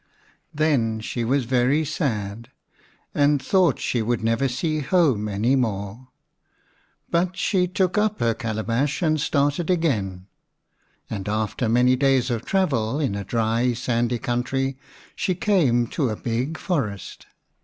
Then she was very sad, and thought she would never see home any more. But she took up her calabash and started again. And after many days of travel in a dry sandy country she came to a big forest.